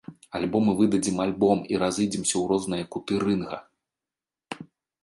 Альбо мы выдадзім альбом і разыйдземся ў розныя куты рынга.